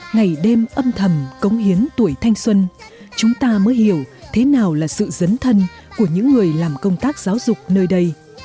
ngày đêm âm thầm cống hiến tuổi thanh xuân chúng ta mới hiểu thế nào là sự dấn thân của những người làm công tác giáo dục nơi đây